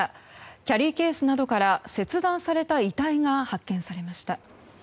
キャリーケースなどから切断された遺体が発見されました。